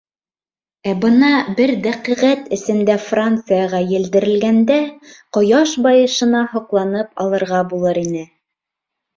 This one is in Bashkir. Ә бына бер дәҡиғәт эсендә Францияға елдерелгәндә, ҡояш байышына һоҡланып алырға булыр ине.